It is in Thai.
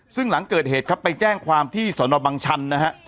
ซึ่งหลังเกิดเหตุครับไปแจ้งความที่สนบังชันนะฮะ